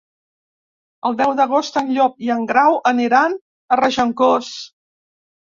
El deu d'agost en Llop i en Grau aniran a Regencós.